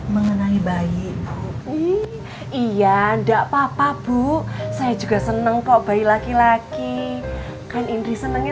mengenali baik iyan tak papa bu saya juga seneng kok bayi laki laki kan indri senengnya